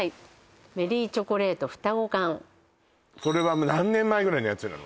それは何年前ぐらいのやつなの？